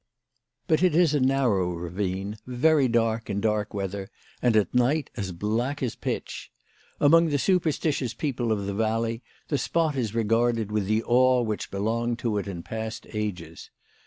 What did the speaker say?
But it is a narrow ravine, very dark WHY FRAU FROHMANN RAISED HER PRICES. 11 in dark weather, and at night as black as pitch. Among the superstitious people of the valley the spot is regarded with the awe which belonged to it in past ages.